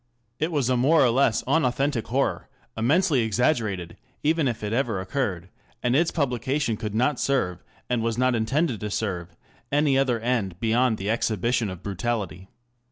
It was a more or less unauthentic horror, immensely exaggerated, even if it ever occurred, and its publication could not serve, and was not intended to serve, any other end beyond the exhibition of brutality.